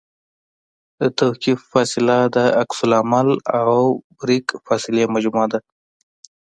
د توقف فاصله د عکس العمل او بریک فاصلې مجموعه ده